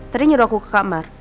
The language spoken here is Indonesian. tadi nyuruh aku ke kamar